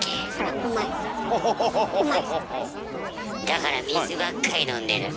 だから水ばっかり飲んでる。